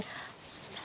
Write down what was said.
selamat siang bu